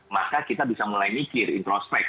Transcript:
maka kita bisa mulai mikir introspect